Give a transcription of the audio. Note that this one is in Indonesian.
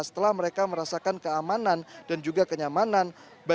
setelah mereka merasakan keamanan dan juga kenyamanan